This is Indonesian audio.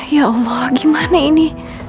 ya allah gimana ini